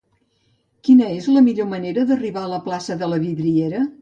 Quina és la millor manera d'arribar a la plaça de la Vidriera?